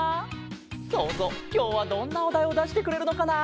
そうぞうきょうはどんなおだいをだしてくれるのかな？